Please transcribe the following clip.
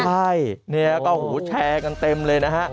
ใช่เนี่ยก็แชร์กันเต็มเลยนะฮะ